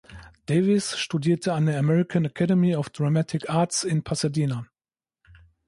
Davies studierte an der "American Academy of Dramatic Arts" in Pasadena.